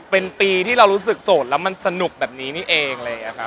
เป็นปีที่เรารู้สึกโสดแล้วมันสนุกแบบนี้นี่เองอะไรอย่างนี้ครับ